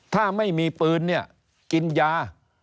ถ้าไม่มีปืนเนี่ยกินยา